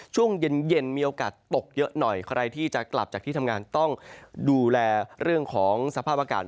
ช่วงเย็นเย็นมีโอกาสตกเยอะหน่อยใครที่จะกลับจากที่ทำงานต้องดูแลเรื่องของสภาพอากาศ